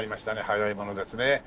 早いものですね。